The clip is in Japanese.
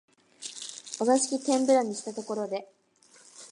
お座敷天婦羅にしたところで、